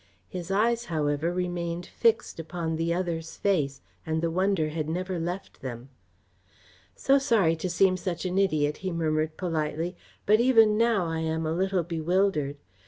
His eyes, however, remained fixed upon the other's face and the wonder had never left them. "So sorry to seem such an idiot," he murmured politely, "but even now I am a little bewildered.